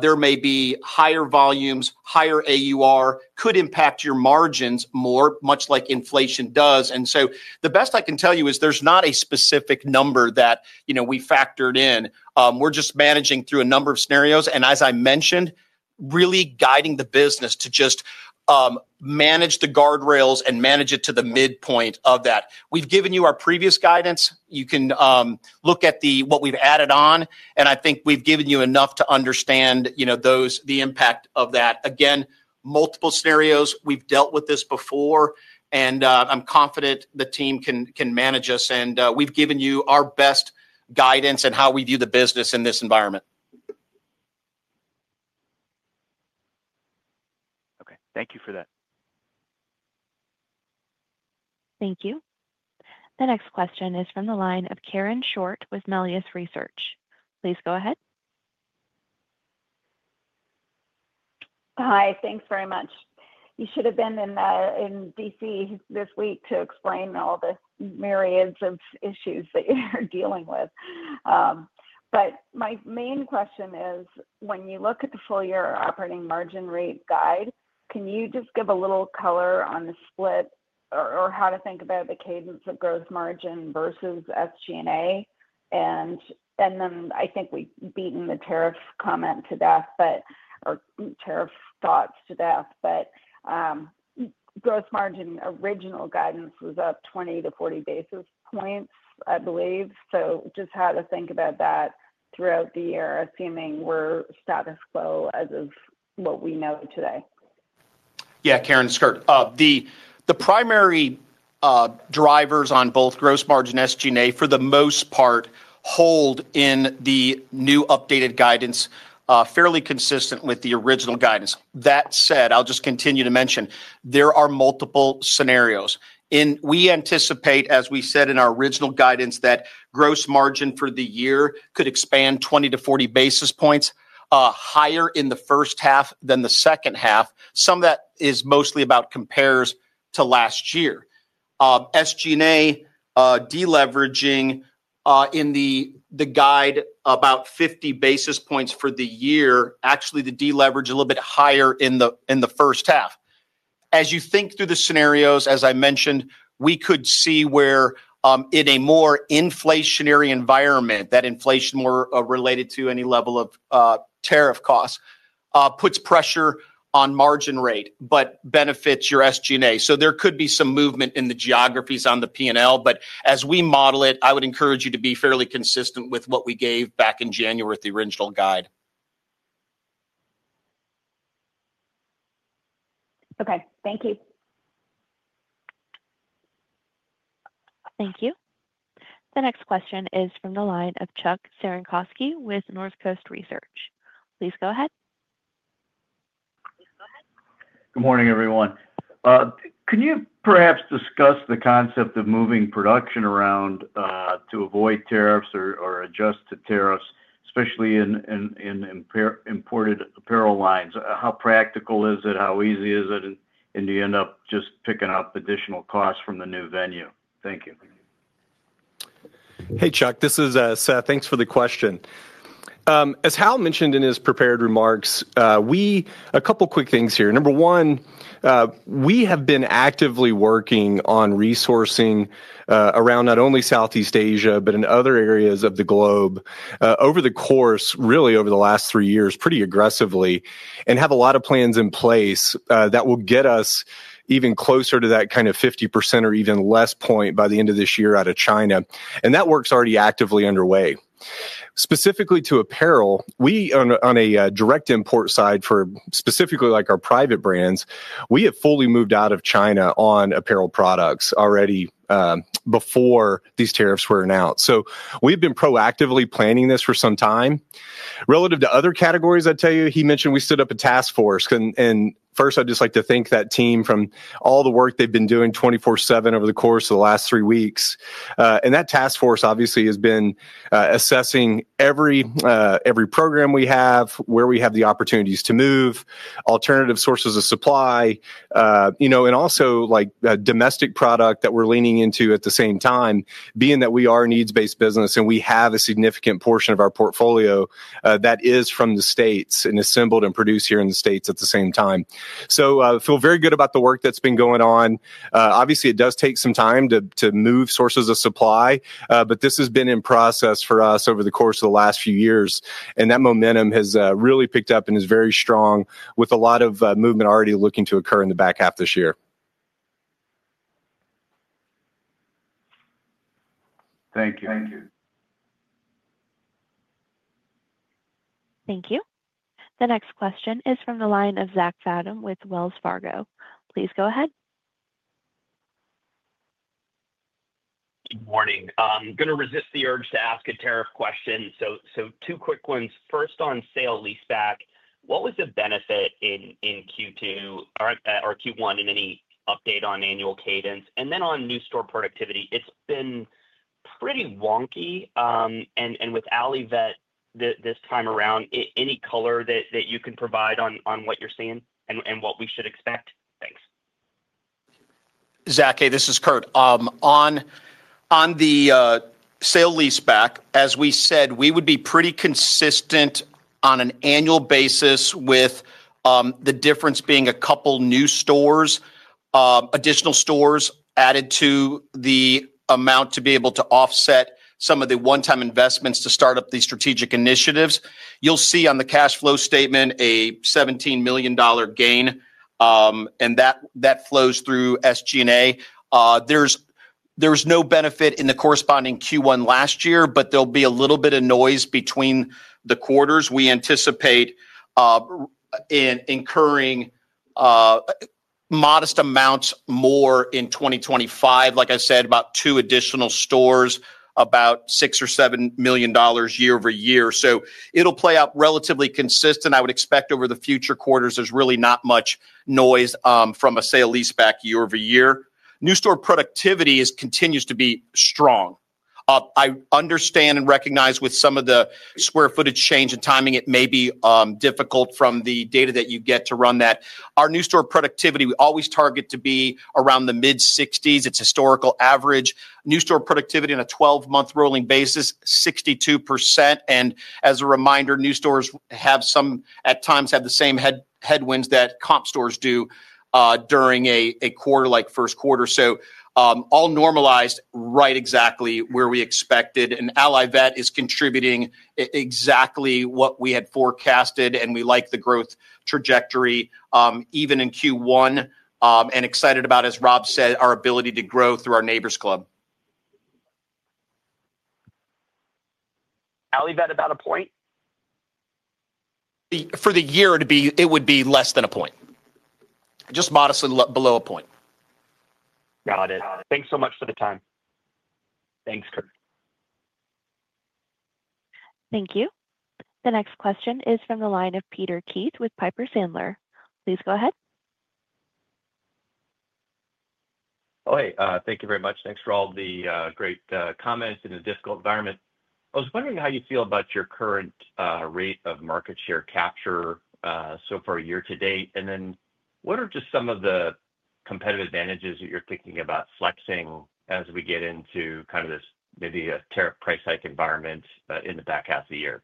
there may be higher volumes, higher AUR, could impact your margins more, much like inflation does. The best I can tell you is there is not a specific number that we factored in. We are just managing through a number of scenarios. As I mentioned, really guiding the business to just manage the guardrails and manage it to the midpoint of that. We've given you our previous guidance. You can look at what we've added on. I think we've given you enough to understand the impact of that. Again, multiple scenarios. We've dealt with this before. I'm confident the team can manage us. We've given you our best guidance and how we view the business in this environment. Okay. Thank you for that. Thank you. The next question is from the line of Karen Short with Melius Research. Please go ahead. Hi. Thanks very much. You should have been in D.C. this week to explain all the myriads of issues that you're dealing with. My main question is, when you look at the full-year operating margin rate guide, can you just give a little color on the split or how to think about the cadence of gross margin versus SG&A? I think we've beaten the tariff comment to death, or tariff thoughts to death, but gross margin original guidance was up 20-40 basis points, I believe. Just how to think about that throughout the year, assuming we're status quo as of what we know today. Yeah, Karen this is Kurt, the primary drivers on both gross margin and SG&A, for the most part, hold in the new updated guidance fairly consistent with the original guidance. That said, I'll just continue to mention there are multiple scenarios. We anticipate, as we said in our original guidance, that gross margin for the year could expand 20-40 basis points, higher in the first half than the second half. Some of that is mostly about compares to last year. SG&A, deleveraging in the guide, about 50 basis points for the year. Actually, the deleverage a little bit higher in the first half. As you think through the scenarios, as I mentioned, we could see where in a more inflationary environment, that inflation more related to any level of tariff costs puts pressure on margin rate but benefits your SG&A. There could be some movement in the geographies on the P&L. As we model it, I would encourage you to be fairly consistent with what we gave back in January with the original guide. Okay. Thank you. Thank you. The next question is from the line of Chuck Cerankosky with Northcoast Research. Please go ahead. Good morning, everyone. Can you perhaps discuss the concept of moving production around to avoid tariffs or adjust to tariffs, especially in imported apparel lines? How practical is it? How easy is it? Do you end up just picking up additional costs from the new venue? Thank you. Hey, Chuck. This is Seth. Thanks for the question. As Hal mentioned in his prepared remarks, a couple of uick things here. Number one, we have been actively working on resourcing around not only Southeast Asia, but in other areas of the globe over the course, really over the last three years, pretty aggressively, and have a lot of plans in place that will get us even closer to that kind of 50% or even less point by the end of this year out of China. That work is already actively underway. Specifically to apparel, we on a direct import side for specifically our private brands, we have fully moved out of China on apparel products already before these tariffs were announced. We have been proactively planning this for some time. Relative to other categories, I tell you, he mentioned we stood up a task force. First, I'd just like to thank that team for all the work they've been doing 24/7 over the course of the last three weeks. That task force, obviously, has been assessing every program we have, where we have the opportunities to move, alternative sources of supply, and also domestic product that we're leaning into at the same time, being that we are a needs-based business and we have a significant portion of our portfolio that is from the States and assembled and produced here in the States at the same time. I feel very good about the work that's been going on. Obviously, it does take some time to move sources of supply, but this has been in process for us over the course of the last few years. That momentum has really picked up and is very strong with a lot of movement already looking to occur in the back half this year. Thank you. Thank you. The next question is from the line of Zach Fadem with Wells Fargo. Please go ahead. Good morning. I'm going to resist the urge to ask a tariff question. Two uick ones. First, on sale-leaseback, what was the benefit in Q2 or Q1 and any update on annual cadence? On new store productivity, it's been pretty wonky. With Allivet this time around, any color that you can provide on what you're seeing and what we should expect? Thanks. Zach, hey, this is Kurt. On the sale-leaseback, as we said, we would be pretty consistent on an annual basis with the difference being a couple new stores, additional stores added to the amount to be able to offset some of the one-time investments to start up these strategic initiatives. You'll see on the cash flow statement a $17 million gain, and that flows through SG&A. There's no benefit in the corresponding Q1 last year, but there'll be a little bit of noise between the quarters. We anticipate incurring modest amounts more in 2025. Like I said, about two additional stores, about $6 or $7 million year-over-year. It will play out relatively consistent. I would expect over the future quarters, there's really not much noise from a sale-leaseback year-over-year. New store productivity continues to be strong. I understand and recognize with some of the square footage change and timing, it may be difficult from the data that you get to run that. Our new store productivity, we always target to be around the mid-60s. It is historical average. New store productivity on a 12-month rolling basis, 62%. As a reminder, new stores have some, at times, have the same headwinds that comp stores do during a quarter like first quarter. All normalized right exactly where we expected. Allivet is contributing exactly what we had forecasted. We like the growth trajectory even in Q1. Excited about, as Rob said, our ability quarterly to grow through our Neighbor's Club. Allivet about a point? For the year, it would be less than a point. Just modestly below a point. Got it. Thanks so much for the time. Thanks, Kurt. Thank you. The next question is from the line of Peter Keith with Piper Sandler. Please go ahead. Oh, hey. Thank you very much. Thanks for all the great comments in a difficult environment. I was wondering how you feel about your current rate of market share capture so far year to date. What are just some of the competitive advantages that you're thinking about flexing as we get into kind of this maybe a tariff price hike environment in the back half of the year?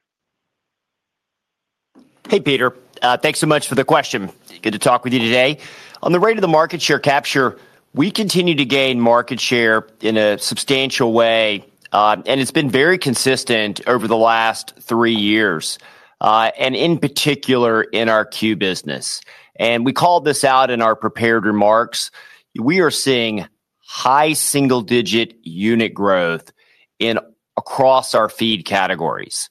Hey, Peter. Thanks so much for the question. Good to talk with you today. On the rate of the market share capture, we continue to gain market share in a substantial way. It's been very consistent over the last three years, and in particular in our business. We called this out in our prepared remarks. We are seeing high single-digit unit growth across our feed categories.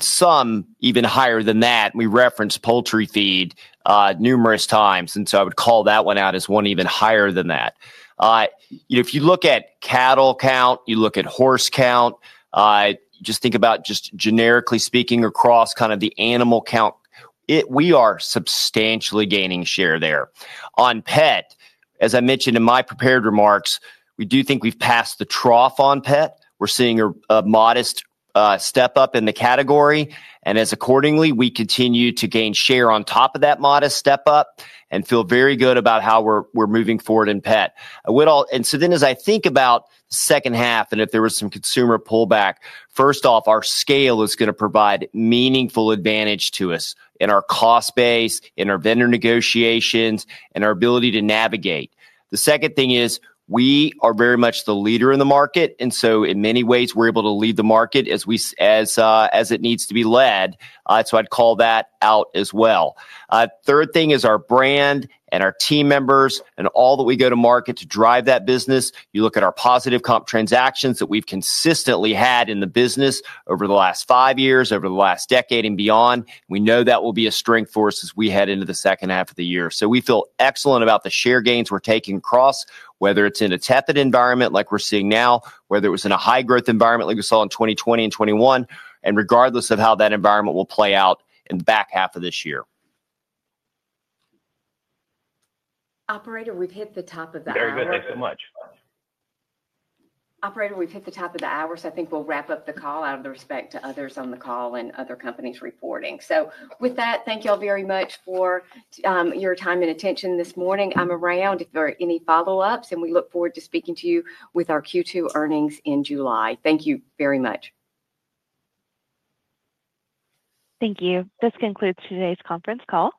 Some even higher than that. We referenced poultry feed numerous times. I would call that one out as one even higher than that. If you look at cattle count, you look at horse count, just think about just generically speaking across kind of the animal count, we are substantially gaining share there. On pet, as I mentioned in my prepared remarks, we do think we've passed the trough on pet. We're seeing a modest step up in the category. Accordingly, we continue to gain share on top of that modest step up and feel very good about how we're moving forward in pet. As I think about the second half and if there was some consumer pullback, first off, our scale is going to provide meaningful advantage to us in our cost base, in our vendor negotiations, and our ability to navigate. The second thing is we are very much the leader in the market. In many ways, we're able to lead the market as it needs to be led. I'd call that out as well. Third thing is our brand and our team members and all that we go to market to drive that business. You look at our positive comp transactions that we've consistently had in the business over the last five years, over the last decade, and beyond. We know that will be a strength for us as we head into the second half of the year. We feel excellent about the share gains we're taking across, whether it's in a tepid environment like we're seeing now, whether it was in a high-growth environment like we saw in 2020 and 2021, and regardless of how that environment will play out in the back half of this year. Operator, we've hit the top of the hour. Very good. Thanks so much. Operator, we've hit the top of the hour. I think we'll wrap up the call out of respect to others on the call and other companies reporting. With that, thank you all very much for your time and attention this morning. I'm around if there are any follow-ups. We look forward to speaking to you with our second quarter earnings in July. Thank you very much. Thank you. This concludes today's conference call.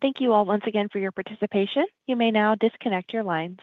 Thank you all once again for your participation. You may now disconnect your lines.